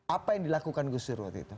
apa yang dilakukan kusutur waktu itu